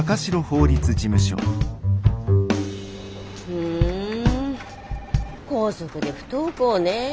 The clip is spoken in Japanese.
ふん校則で不登校ね。